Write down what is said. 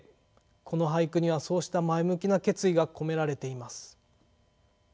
この俳句にはそうした前向きな決意が込められています。